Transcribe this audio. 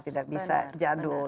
tidak bisa jadul